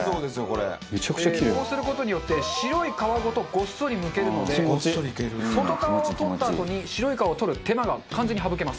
こうする事によって白い皮ごとごっそりむけるので外皮を取ったあとに白い皮を取る手間が完全に省けます。